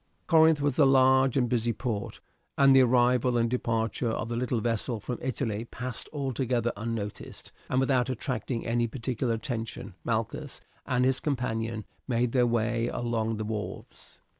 Corinth was a large and busy port, and the arrival and departure of the little vessel from Italy passed altogether unnoticed, and without attracting any particular attention Malchus and his companion made their way along the wharves.